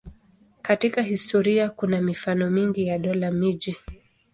Katika historia kuna mifano mingi ya dola-miji.